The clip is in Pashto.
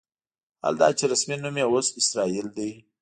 حال دا چې رسمي نوم یې اوس اسرائیل دی.